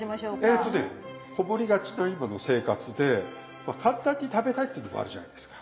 えとね籠もりがちな今の生活で簡単に食べたいっていうのもあるじゃないですか。